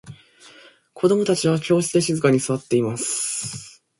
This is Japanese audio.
子供達は教室で静かに座っています。